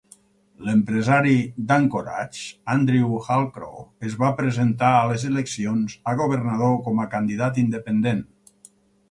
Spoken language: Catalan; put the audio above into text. L'empresari d'Anchorage Andrew Halcro es va presentar a les eleccions a governador com a candidat independent.